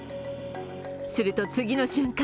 すると次の瞬間